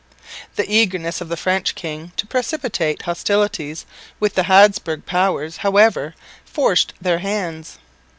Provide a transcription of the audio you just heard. The eagerness of the French king to precipitate hostilities with the Habsburg powers however forced their hands.